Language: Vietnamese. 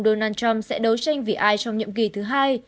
nếu các bạn muốn biết ông trump sẽ đấu tranh vì ai trong nhiệm kỳ thứ hai